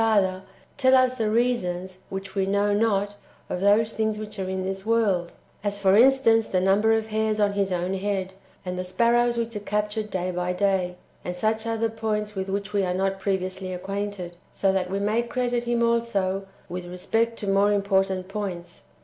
Father, tell us the reasons (which we know not) of those things which are in this world, — as, for instance, the numher of hairs on his own head, and the sparrows which are cap tured day by day, and such other points with which we are not previously acquainted, — so that we may credit him also with respect to more important points.